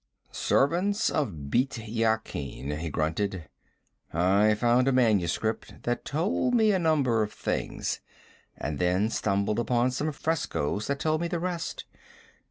'Servants of Bît Yakin,' he grunted. 'I found a manuscript that told me a number of things, and then stumbled upon some frescoes that told me the rest.